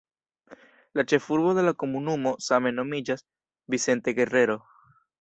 La ĉefurbo de la komunumo same nomiĝas "Vicente Guerrero".